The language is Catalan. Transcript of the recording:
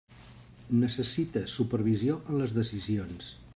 Necessita supervisió en les decisions.